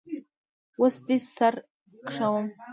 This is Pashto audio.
وس دي سره کشوم